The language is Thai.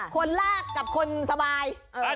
คนแรกกับคนสบาย